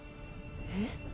えっ？